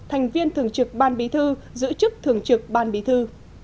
thành viên thường trực ban bí thư giữ chức thường trực ban bí thư